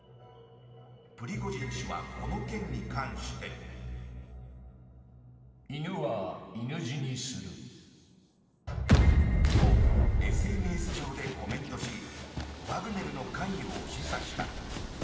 プリゴジン氏はこの件に関して。と、ＳＮＳ上でコメントしワグネルの関与を示唆した。